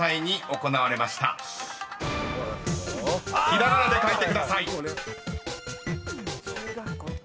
［ひらがなで書いてください］